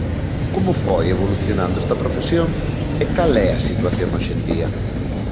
Como foi evolucionando esta profesión e cal é a situación hoxe en día?